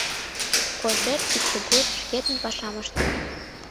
Кожер кечыгут шкетын пашам ышта.